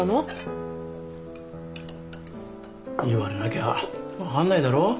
言われなきゃ分かんないだろう。